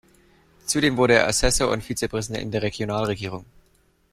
Zudem wurde er Assessor und Vizepräsident in der Regionalregierung.